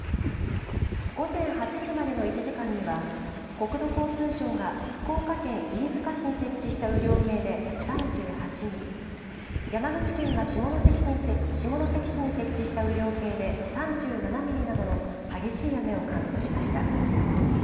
午前８時までの１時間には国土交通省が福岡県飯塚市に設置した雨量計で３８ミリ、山口県が下関市に設置した雨量計で３７ミリなどの激しい雨を観測しました。